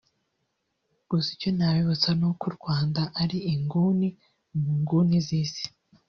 Gusa icyo nabibutsa n’uko u Rwanda ari inguni mu nguni z’isi